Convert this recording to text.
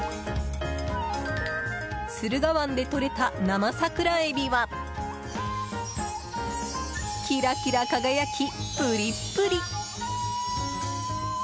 駿河湾でとれた生サクラエビはキラキラ輝き、プリップリ！